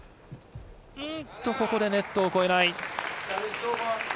ここでネットをこえない。